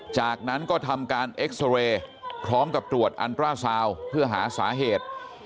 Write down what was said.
จากนั้นก็ทำการเอ็กซอเรย์พร้อมกับตรวจอันตราซาวเพื่อหาสาเหตุ